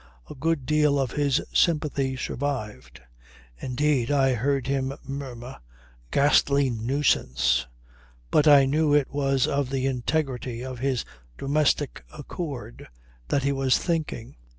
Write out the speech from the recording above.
A good deal of his sympathy survived. Indeed I heard him murmur "Ghastly nuisance," but I knew it was of the integrity of his domestic accord that he was thinking.